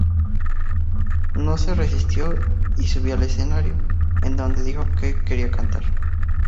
No se resistió y subió al escenario, en donde dijo que quería cantar.